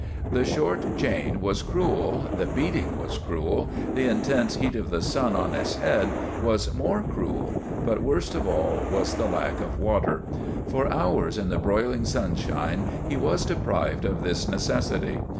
The short chain was cruel, the beating was cruel, the intense heat of the sun on his head was more cruel, but worst of all was the lack of water. For hours in the broiling sunshine he was deprived of this necessity.